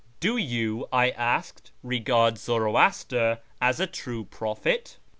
I " Do you," I asked, " regard Zoroaster as a true prophet ?